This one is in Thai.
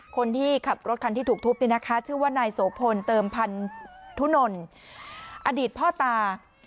คนที่ขับรถคันที่ถูกทุบเนี่ยนะคะชื่อว่านายโสพลเติมพันธุนนอดีตพ่อตา